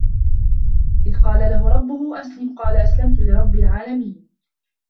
إِذْ قَالَ لَهُ رَبُّهُ أَسْلِمْ ۖ قَالَ أَسْلَمْتُ لِرَبِّ الْعَالَمِينَ